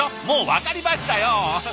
もう分かりましたよ。